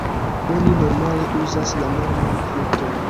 Oni normale uzas la norman fluton.